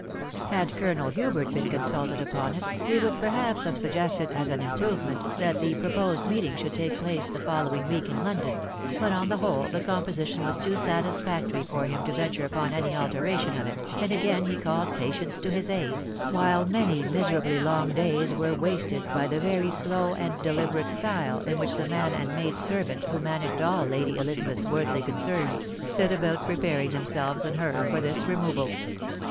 Had Colonel Hubert been consulted upon it, he would perhaps have sug gested, as an improvement, that the proposed meeting should take place the following week in London ; but, on the whole, the composition was too satisfactory for him to venture upon any alteration of it, and again he called patience to his aid, while many miserably long days were wasted by the very slow and deliberate style in which the man and maid servant who ma naged all Lady Elizabeth's worldly concerns set about preparing themselves and her for this removal.